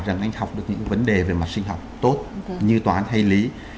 rằng anh học được những vấn đề về mặt sinh học tốt như toán hay lý